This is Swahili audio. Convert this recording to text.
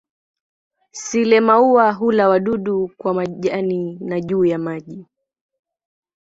Sile-maua hula wadudu kwa majani na juu ya maji.